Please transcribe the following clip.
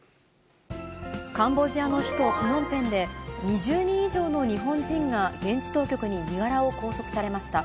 カンボジアの首都プノンペンで、２０人以上の日本人が現地当局に身柄を拘束されました。